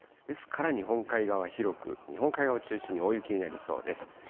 ですから日本海側、広く、日本海側を中心に大雪になりそうです。